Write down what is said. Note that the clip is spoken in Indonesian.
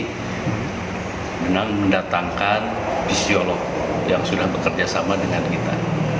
akan kita dampingi dengan mendatangkan psikolog yang sudah bekerja sama dengan kita